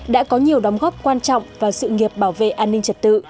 đã có nhiều đóng góp quan trọng vào sự nghiệp bảo vệ an ninh trật tự